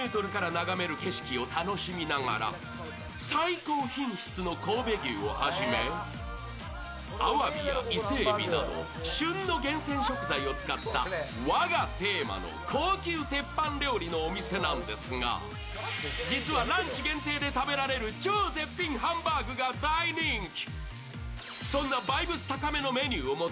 最高品質の神戸牛をはじめアワビやイセエビなど旬の厳選食材を使った和がテーマの高級鉄板料理のお店なんですが実はランチ限定で食べられる超絶品ハンバーグが大人気。